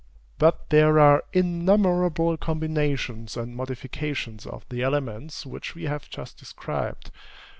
But there are innumerable combinations and modifications of the elements which we have just described.